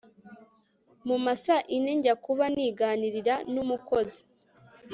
mumasaa ine njya kuba niganirira numukozi